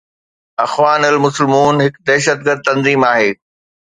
اخوان المسلمون هڪ دهشتگرد تنظيم آهي